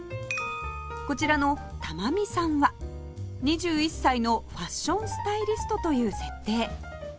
こちらのたまみさんは２１歳のファッションスタイリストという設定